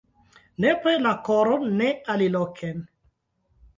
Nepre la koron, ne aliloken!